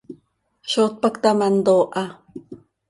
¿Zó tpacta ma ntooha?